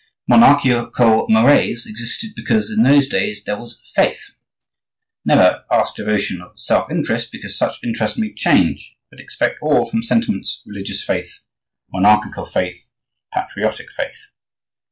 Monarchical Moreys existed because in those days there was faith. Never ask devotion of self interest, because such interest may change; but expect all from sentiments, religious faith, monarchical faith, patriotic faith.